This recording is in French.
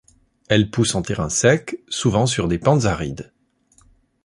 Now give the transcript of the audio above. Elle pousse en terrain sec, souvent sur des pentes arides.